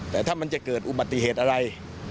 แต่ถ้ามันจะเกิดอุบัติเหตุอะไร